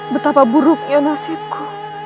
betapa buruknya nasibku